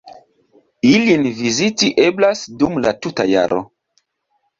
Ilin viziti eblas dum la tuta jaro.